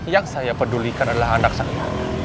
yang saya pedulikan adalah anak saya